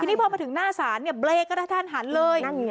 ทีนี้พอมาถึงหน้าศาลเบรกก็ได้ท่านหันเลย